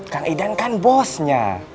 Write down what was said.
kang idan kan bosnya